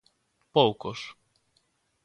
Poucos.